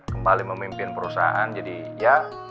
kembali memimpin perusahaan jadi ya